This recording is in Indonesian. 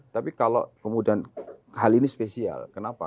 tapi kalau kemudian hal ini spesial kenapa